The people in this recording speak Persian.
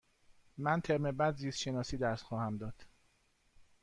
من ترم بعد زیست شناسی درس خواهم داد.